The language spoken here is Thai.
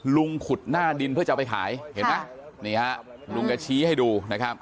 ลุงขุดหน้าดินเพื่อจะไปขายเห็นไหมนี่ฮะลุงก็ชี้ให้ดูนะครับ